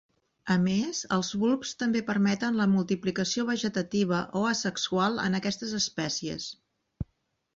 A més, els bulbs també permeten la multiplicació vegetativa o asexual en aquestes espècies.